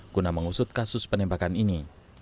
guna mengusut kasus penembakan ini